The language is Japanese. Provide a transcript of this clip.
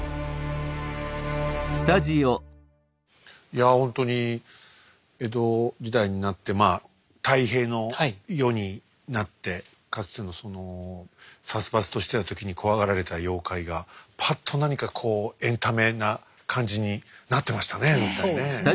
いやほんとに江戸時代になってまあ太平の世になってかつてのその殺伐としてた時に怖がられた妖怪がパッと何かこうエンタメな感じになってましたね。